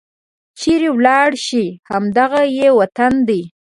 چيرې ولاړې شي؟ همد غه یې وطن دی